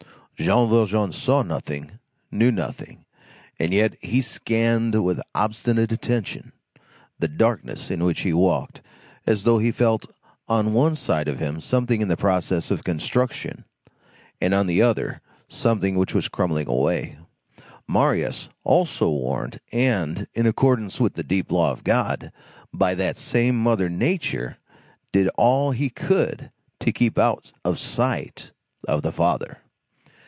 Jean Valjean saw nothing, knew nothing, and yet he scanned with obstinate attention, the darkness in which he walked, as though he felt on one side of him something in process of construction, and on the other, something which was crumbling away. Marius, also warned, and, in accordance with the deep law of God, by that same Mother Nature, did all he could to keep out of sight of "the father."